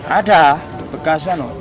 ada bekasnya noh